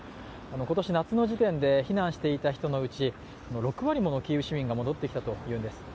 今年夏の時点で避難していた人のうち、６割ものキーウ市民が戻ってきたというんです。